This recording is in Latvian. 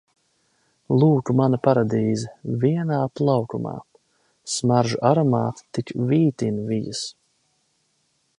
Lūk mana paradīze – vienā plaukumā! Smaržu aromāti tik vītin vijas.